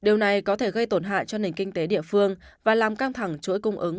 điều này có thể gây tổn hại cho nền kinh tế địa phương và làm căng thẳng chuỗi cung ứng